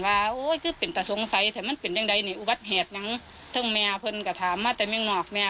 ไม่เคยผ้าไปเที่ยวของครัวไม่เคยผ้าไปออกเลย